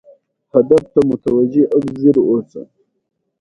په افغانستان کې لعل د خلکو د اعتقاداتو سره تړاو لري.